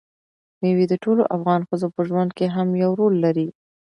مېوې د ټولو افغان ښځو په ژوند کې هم یو رول لري.